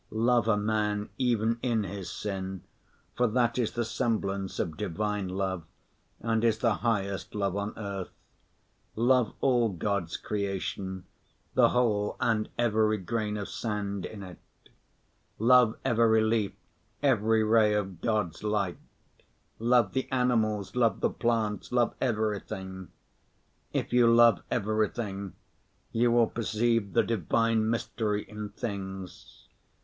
Love a man even in his sin, for that is the semblance of Divine Love and is the highest love on earth. Love all God's creation, the whole and every grain of sand in it. Love every leaf, every ray of God's light. Love the animals, love the plants, love everything. If you love everything, you will perceive the divine mystery in things.